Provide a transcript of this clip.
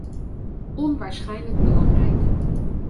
Onwaarschijnlijk belangrijk.